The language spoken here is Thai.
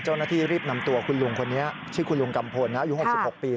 เจ้าหน้าที่รีบนำตัวคุณลุงคนนี้ชื่อคุณลุงกัมพลอายุ๖๖ปี